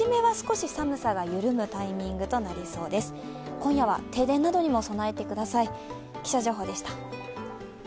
今夜は停電などにも備えてください。